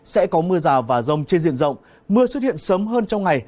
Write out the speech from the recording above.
sẽ có mưa rào và rông trên diện rộng mưa xuất hiện sớm hơn trong ngày